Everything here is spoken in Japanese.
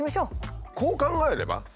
こう考えれば？